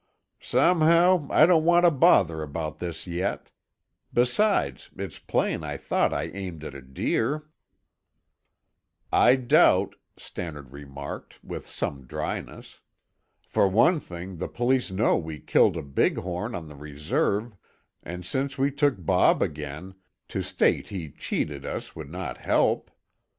"Somehow I don't want to bother about this yet. Besides, it's plain I thought I aimed at a deer." "I doubt," Stannard remarked, with some dryness. "For one thing, the police know we killed the big horn on the reserve, and since we took Bob again, to state he cheated us would not help.